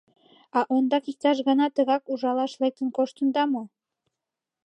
— А ондак иктаж гана тыгак ужалаш лектын коштында мо?